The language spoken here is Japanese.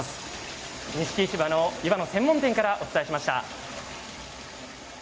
錦市場の湯葉の専門店からお伝えしました。